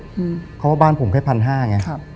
เขาบอกว่าบ้านผมแค่พันห้าไง